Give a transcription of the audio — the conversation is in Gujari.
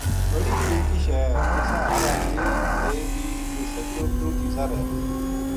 بڑی قیمتی شَے ہے اِساں ہر آدمی لیں بی نیہہ سکتو کیوں جی ذر ہے